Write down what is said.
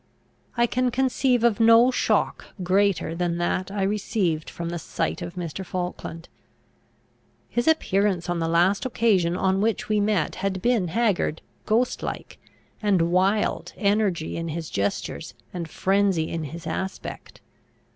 I can conceive of no shock greater than that I received from the sight of Mr. Falkland. His appearance on the last occasion on which we met had been haggard, ghost like, and wild, energy in his gestures, and frenzy in his aspect.